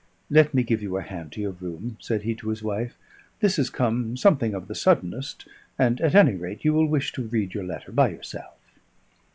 "Let me give you a hand to your room," said he to his wife. "This has come something of the suddenest; and, at any rate, you will wish to read your letter by yourself."